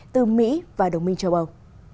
từ mỹ và đồng minh châu âu